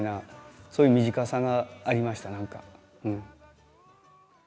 そういう身近さがありましたなんかうん。